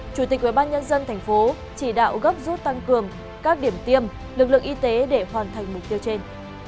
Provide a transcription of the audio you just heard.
chủ tịch ubnd tp chỉ đạo gấp rút tăng cường các điểm tiêm lực lượng y tế để hoàn thành mục tiêu trên